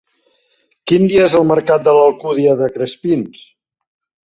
Quin dia és el mercat de l'Alcúdia de Crespins?